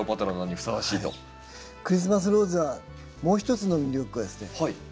クリスマスローズはもう一つの魅力はですね